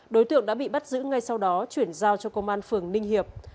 đối tượng đã bị bắt giữ ngay sau đó chuyển giao cho công an phường ninh hiệp